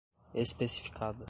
especificada